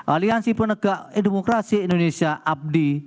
aliansi penegak demokrasi indonesia abdi